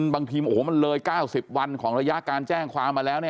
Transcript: บางทีโอ้โหมันเลย๙๐วันของระยะการแจ้งความมาแล้ว